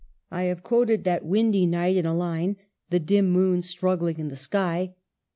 I have quoted that windy night in a line — "The dim moon struggling in the sky."